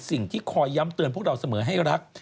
สิ่งที่คอยย้ำเตือนพวกเราเสมอให้รัก